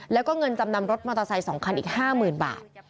แล้วก็เงินจำนำรถมอเตอร์ไซค์๒คันอีก๕๐๐๐บาท